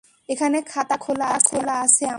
এখানে খাতা খোলা আছে আমার।